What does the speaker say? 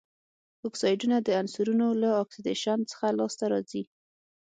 اکسایډونه د عنصرونو له اکسیدیشن څخه لاسته راځي.